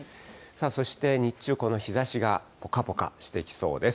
そして日中、この日ざしがぽかぽかしてきそうです。